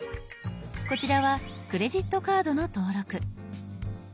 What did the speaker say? こちらは「クレジットカード」の登録。